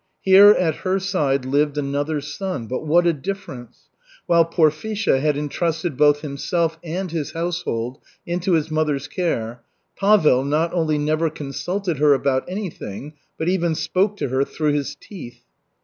Here, at her side, lived another son, but what a difference! While Porfisha had entrusted both himself and his household into his mother's care, Pavel not only never consulted her about anything, but even spoke to her through his teeth.